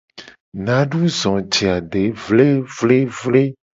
Nadu zo je ade vlevlevle.